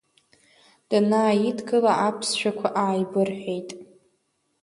Данааидгыла аԥсшәақәа ааибырҳәеит.